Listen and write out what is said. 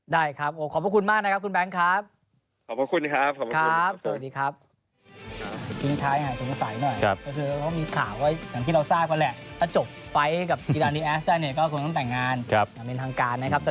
ได้ครับขอบคุณมากนะครับคุณแบงค์ครับ